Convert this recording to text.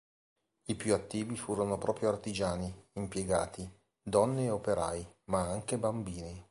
I più attivi furono proprio artigiani, impiegati, donne e operai, ma anche bambini.